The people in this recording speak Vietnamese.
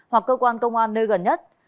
hoặc cơ quan công an nơi gần nhất